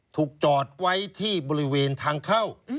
ถูกจอดไว้ที่บริเวณทางเข้า